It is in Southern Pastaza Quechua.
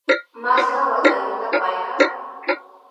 ¿Masna watayuta payka?